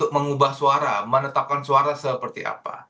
mengubah suara menetapkan suara seperti apa